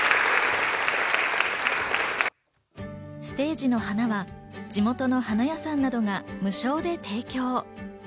ステージの花は地元の花屋さんなどが無償で提供。